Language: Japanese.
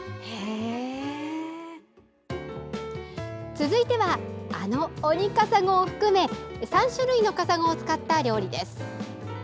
続いてはあのオニカサゴを含め３種類のカサゴを使った料理です。